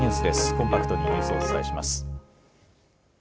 コンパクトにニュースをお伝えします。